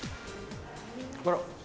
あら。